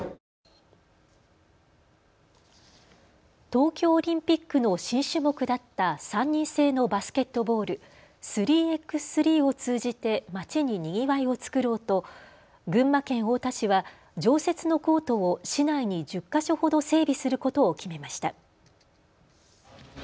東京オリンピックの新種目だった３人制のバスケットボール、３×３を通じてまちににぎわいを作ろうと群馬県太田市は常設のコートを市内に１０か所ほど整備することを決めました。